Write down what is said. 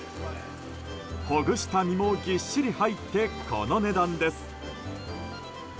ほぐした身もぎっしり入ってこの値段です。